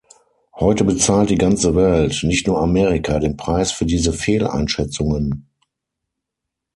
Heute bezahlt die ganze Welt, nicht nur Amerika, den Preis für diese Fehleinschätzungen.